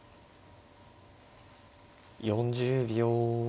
４０秒。